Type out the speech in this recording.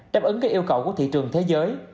đáp ứng các yêu cầu của thị trường thế giới